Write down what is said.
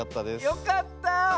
よかった。